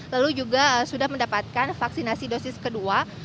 lalu juga sudah mendapatkan vaksinasi dosis kedua